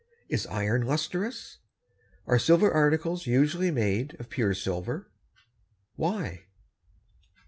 Is iron lustrous? Are silver articles usually made of pure silver? Why?